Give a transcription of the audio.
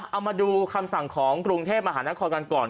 เอามาดูคำสั่งของกรุงเทพมหานครกันก่อน